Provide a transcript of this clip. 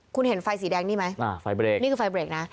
คุณเห็นไฟสีแดงนี่ไหมไฟเบรกนี่คือไฟเบรกนะ